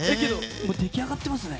出来上がっていますね。